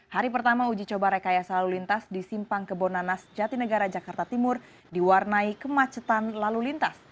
hari pertama uji coba rekayasa lalu lintas di simpang kebonanas jatinegara jakarta timur diwarnai kemacetan lalu lintas